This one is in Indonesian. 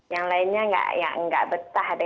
yang lainnya nggak bertahan